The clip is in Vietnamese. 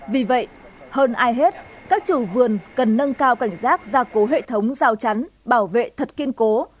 vì vậy hơn ai hết các chủ vườn cần nâng cao cảnh giác gia cố hệ thống giao chắn bảo vệ thật kiên cố